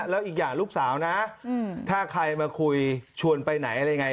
แล้วอีกอย่างลูกสาวนะถ้าใครมาคุยชวนไปไหนอะไรยังไง